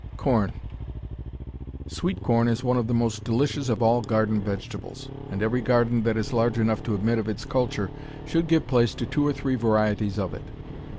Corn Sweet corn is one of the most delicious of all garden vegetables, and every garden that is large enough to admit of its culture should give place to two or three varieties of it.